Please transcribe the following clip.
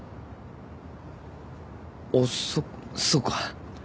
あっそっそうか。